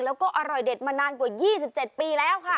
แล้วก็อร่อยเด็ดมานานกว่า๒๗ปีแล้วค่ะ